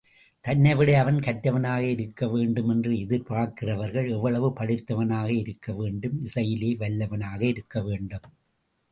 தன்னைவிட அவன் கற்றவனாக இருக்கவேண்டும் என்று எதிர் பார்க்கிறார்கள். எவ்வளவு படித்தவனாக இருக்கவேண்டும்? இசையிலே வல்லவனாக இருக்கவேண்டும்.